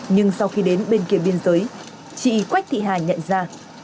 nhưng sau khi đến bên kia biên giới chị quách thị hà nhận ra